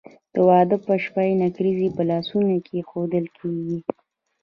د واده په شپه نکریزې په لاسونو کیښودل کیږي.